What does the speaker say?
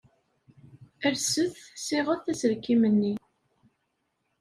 Alset ssiɣet aselkim-nni.